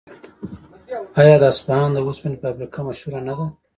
آیا د اصفهان د وسپنې فابریکه مشهوره نه ده؟